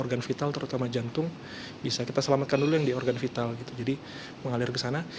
organ vital terutama jantung bisa kita selamatkan dulu yang di organ vital gitu jadi mengalir ke sana